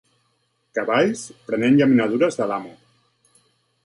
Cavalls prenent llaminadures de l'amo.